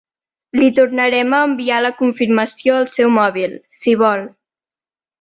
Li tornarem a enviar la confirmació al seu mòbil, si vol.